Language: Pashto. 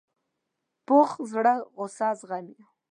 پوخ زړه غصه زغمي